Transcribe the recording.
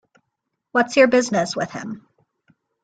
What's your business with him?